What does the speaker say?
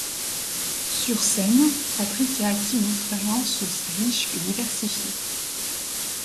Sur scène, Patrick a acquis une expérience aussi riche que diversifiée.